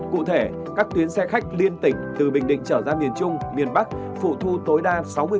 cụ thể các tuyến xe khách liên tỉnh từ bình định trở ra miền trung miền bắc phụ thu tối đa sáu mươi